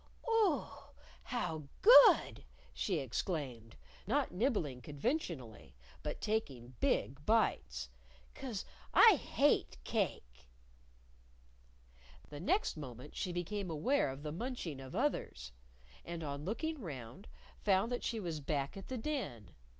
"Oo! How good!" she exclaimed, not nibbling conventionally, but taking big bites. "'Cause I hate cake!" The next moment she became aware of the munching of others. And on looking round, found that she was back at the Den.